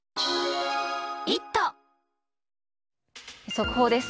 速報です。